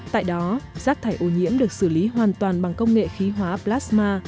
tại đó rác thải ô nhiễm được xử lý hoàn toàn bằng công nghệ khí hóa plasma